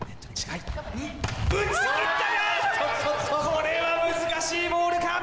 これは難しいボールか？